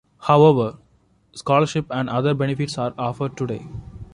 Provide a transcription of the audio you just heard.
However scholarships and other benefits are offered today.